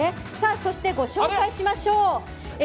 そして、ご紹介しましょう。